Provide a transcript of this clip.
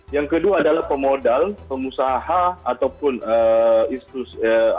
yang kedua adalah pemodal pemusaha ataupun pemusaha